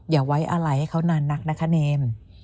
อย่าไว้อะไรให้เขานานนักนะคะเนม